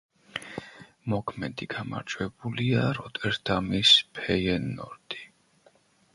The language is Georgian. მოქმედი გამარჯვებულია როტერდამის „ფეიენორდი“.